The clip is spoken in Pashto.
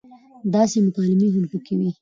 داسې مکالمې هم پکې وې